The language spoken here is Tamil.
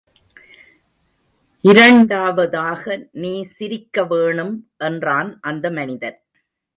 இரண்டாவதாக நீ சிரிக்க வேணும், என்றான் அந்த மனிதன்.